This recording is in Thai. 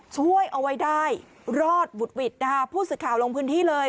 ช่วยเอาไว้ได้รอดบุดหวิดนะคะผู้สื่อข่าวลงพื้นที่เลย